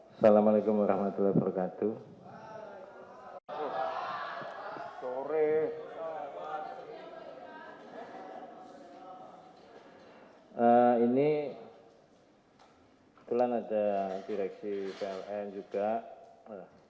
assalamu'alaikum warahmatullahi wabarakatuh